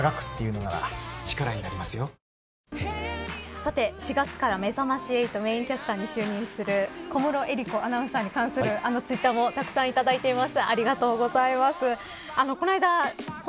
さて、４月からめざまし８メーンキャスターに就任する小室瑛莉子アナウンサーに関するツイッターもたくさんいただいています。